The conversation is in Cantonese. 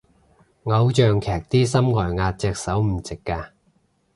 偶像劇啲心外壓隻手唔直嘅